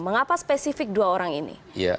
mengapa spesifik dua orang ini